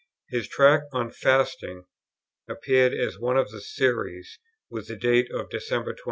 His Tract on Fasting appeared as one of the series with the date of December 21.